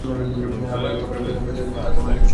আর বায়ুর প্রচণ্ডতায় আমরা যা পেয়েছি তা তোমরা দেখছো।